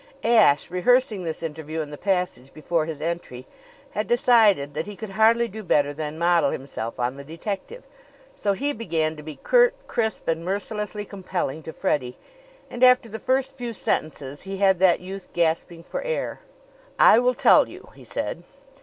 Ashe, rehearsing this interview in the passage before his entry, had decided that he could hardly do better than model himself on the detective. So he began to be curt, crisp and mercilessly compelling to Freddie; and after the first few sentences he had that youth gasping for air. "I will tell you," he said.